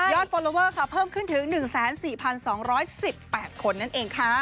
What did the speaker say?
ฟอลลอเวอร์ค่ะเพิ่มขึ้นถึง๑๔๒๑๘คนนั่นเองค่ะ